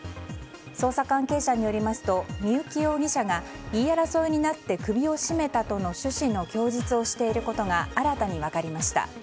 捜査関係者によりますと三幸容疑者が言い争いになって首を絞めたとの趣旨の供述をしていることが新たに分かりました。